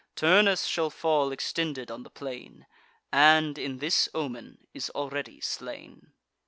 Turnus shall fall extended on the plain, And, in this omen, is already slain.